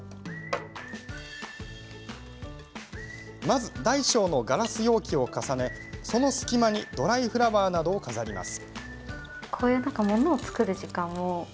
まず大小のガラス容器を重ねその隙間にドライフラワーなどを飾ります。